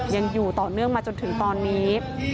ยังอยู่ต่อเนื่องมาจนถึงตอนนี้